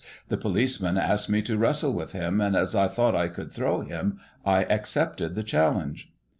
The policeman asked me to wrestle with him, and, as I thought I could throw him, I accepted the challenge.